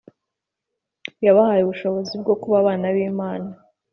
yabahaye ubushobozi bwo kuba abana b Imana